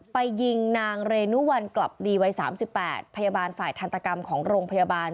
ไปยิงนางเรนุวัลกลับดีวัย๓๘พยาบาลฝ่ายทันตกรรมของโรงพยาบาล